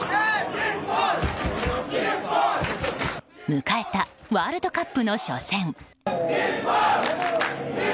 迎えたワールドカップの初戦。